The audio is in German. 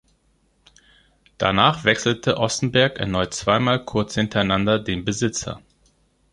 Danach wechselte Ossenberg erneut zweimal kurz hintereinander den Besitzer.